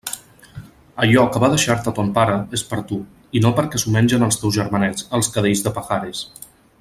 Allò que va deixar-te ton pare és per a tu, i no perquè s'ho mengen els teus germanets, els cadells de Pajares.